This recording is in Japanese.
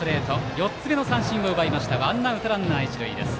４つ目の三振を奪ってワンアウトランナー、一塁です。